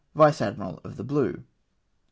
" Vice Admiral of the Bkie."